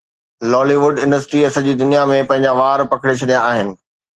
لالي wood انڊسٽريءَ سڄي دنيا ۾ پنهنجا وار پکيڙي ڇڏيا آهن